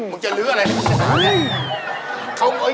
มึงจะลื้ออะไรในภาษานั้นอุ๊ย